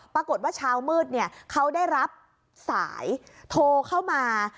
ปรากฏว่าเช้ามืดเขาได้รับสายโทรเข้ามา